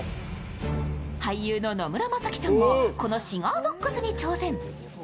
俳優の野村将希さんもこのシガーボックスに挑戦。